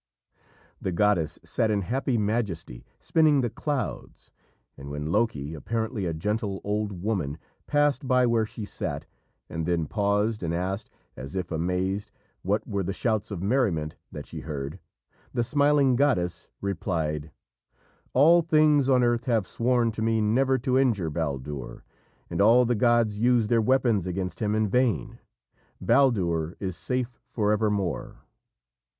The goddess sat, in happy majesty, spinning the clouds, and when Loki, apparently a gentle old woman, passed by where she sat, and then paused and asked, as if amazed, what were the shouts of merriment that she heard, the smiling goddess replied: "All things on earth have sworn to me never to injure Baldur, and all the gods use their weapons against him in vain. Baldur is safe for evermore."